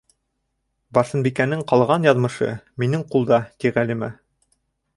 Барсынбикәнең ҡалған яҙмышы - минең ҡулда, ти Ғәлимә.